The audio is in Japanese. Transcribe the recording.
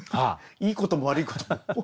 いいことも悪いことも。